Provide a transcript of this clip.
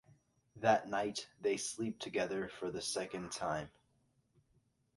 That night they sleep together for the second time.